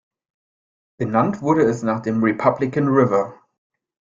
Benannt wurde es nach dem Republican River.